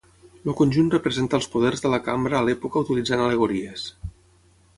El conjunt representa els poders de la Cambra a l'època utilitzant al·legories.